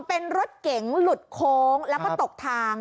เป็นรถเก๋งหลุดโค้งแล้วก็ตกทาง